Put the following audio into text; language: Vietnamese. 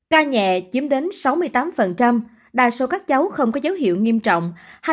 ca nhẹ chiếm đến sáu mươi tám đa số các cháu không có dấu hiệu nghiêm trọng